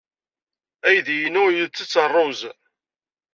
Aydi-inu yettett ṛṛuz.